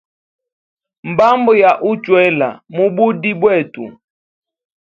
Mbambo ya uchwela mububi bwetu.